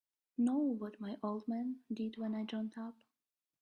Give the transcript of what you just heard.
Know what my old man did when I joined up?